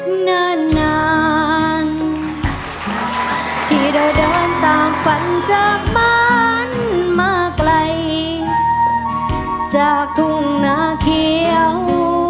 อื้มน่านานที่ได้เดินตามฝันจากบ้านมาไกลจากทุ่งหน้าเขียว